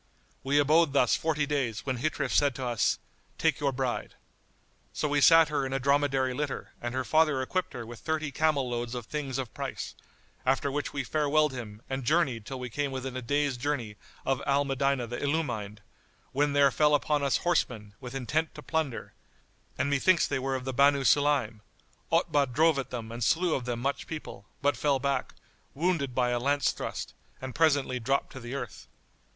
We abode thus forty days when Ghitrif said to us, "Take your bride." So we sat her in a dromedary litter and her father equipped her with thirty camel loads of things of price; after which we farewelled him and journeyed till we came within a day's journey of Al Medinah the Illumined, when there fell upon us horsemen, with intent to plunder, and methinks they were of the Banu Sulaym, Otbah drove at them and slew of them much people, but fell back, wounded by a lance thrust, and presently dropped to the earth.